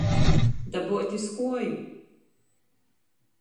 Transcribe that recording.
Dabuot iz kuoju.